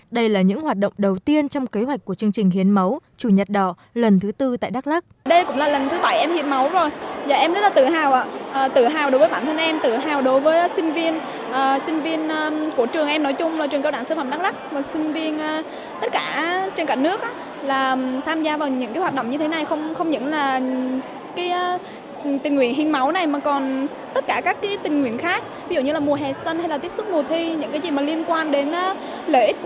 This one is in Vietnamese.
đây là những hoạt động đầu tiên trong kế hoạch của chương trình hiến máu chủ nhật đỏ lần thứ bốn tại đắk lắc